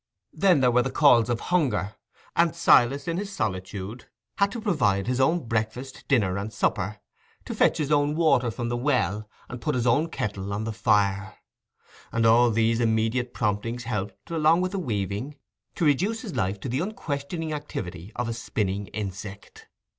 Then there were the calls of hunger; and Silas, in his solitude, had to provide his own breakfast, dinner, and supper, to fetch his own water from the well, and put his own kettle on the fire; and all these immediate promptings helped, along with the weaving, to reduce his life to the unquestioning activity of a spinning insect.